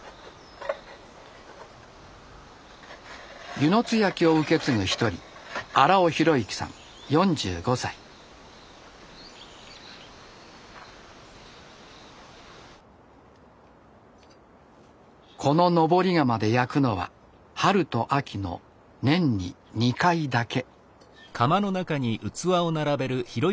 温泉津焼を受け継ぐ一人この登り窯で焼くのは春と秋の年に２回だけ。